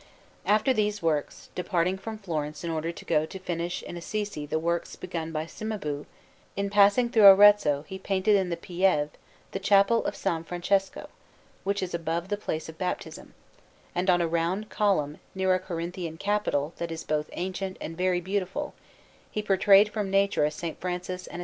Francesco_)] After these works, departing from Florence in order to go to finish in Assisi the works begun by Cimabue, in passing through Arezzo he painted in the Pieve the Chapel of S. Francesco, which is above the place of baptism; and on a round column, near a Corinthian capital that is both ancient and very beautiful, he portrayed from nature a S. Francis and a S.